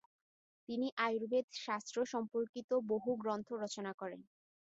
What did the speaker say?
তিনি আয়ুর্বেদ শাস্ত্র সম্পর্কিত বহু গ্রন্থ রচনা করেন।